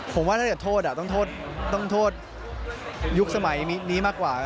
ผมว่าถ้าเกิดโทษต้องโทษยุคสมัยนี้มากกว่า